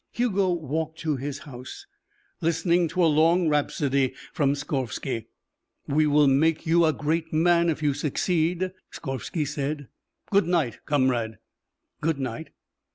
Hugo walked to his house, listening to a long rhapsody from Skorvsky. "We will make you a great man if you succeed," Skorvsky said. "Good night, comrade." "Good night."